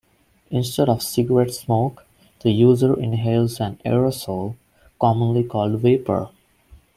Instead of cigarette smoke, the user inhales an aerosol, commonly called vapor.